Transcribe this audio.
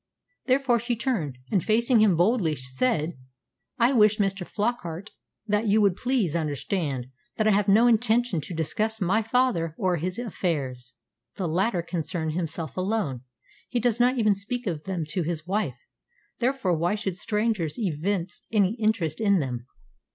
Therefore she turned, and, facing him boldly, said, "I wish, Mr. Flockart, that you would please understand that I have no intention to discuss my father or his affairs. The latter concern himself alone. He does not even speak of them to his wife; therefore why should strangers evince any interest in them?"